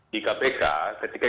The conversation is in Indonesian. di kpk ketika